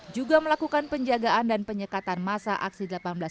juga melakukan penjagaan dan penyekatan masa aksi delapan belas